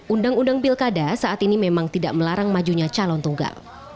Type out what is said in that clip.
undang undang pilkada saat ini memang tidak melarang majunya calon tunggal